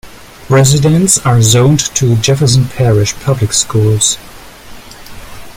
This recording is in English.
Residents are zoned to Jefferson Parish Public Schools.